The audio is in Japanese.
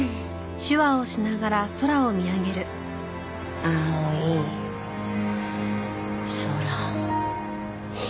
青い空。